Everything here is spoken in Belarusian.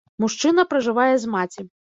Мужчына пражывае з маці.